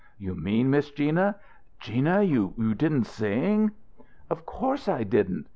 "You mean, Miss Gina Gina you didn't sing?" "Of course I didn't!